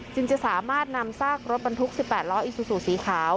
จึงจะสามารถนำซากรถบันทุกร์๑๘ลอิสุสูตรสีขาว